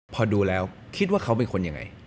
พอดูแล้วคิดว่าเขาเป็นคนยังไง